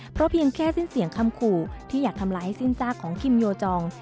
เพราะเพียงแค่สิ้นเสียงคำขู่ที่อยากทำลายให้สิ้นซากของคิมโยจอง